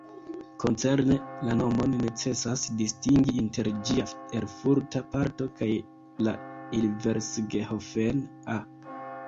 Koncerne la nomon necesas distingi inter ĝia erfurta parto kaj la ilversgehofen-a.